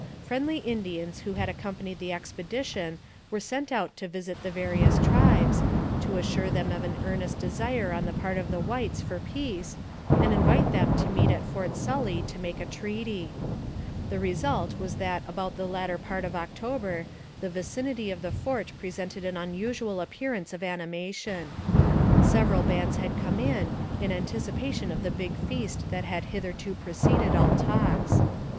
Friendly Indians who had accompanied the expedi tion were sent out to visit the various tribes, to assure them of an earnest desire on the part of the whites for peace, and invite them to meet at Fort Sully to make a treaty. The result was that about the latter part of October the vicinity of the fort presented an unusual appearance of animation. Several bands had come in, in anticipation of the big feast that had hitherto pre ceded all talks.